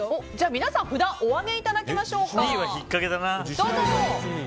皆さん札をお上げいただきましょうか。